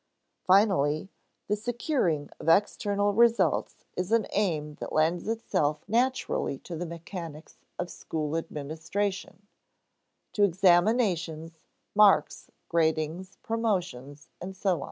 Finally, the securing of external results is an aim that lends itself naturally to the mechanics of school administration to examinations, marks, gradings, promotions, and so on.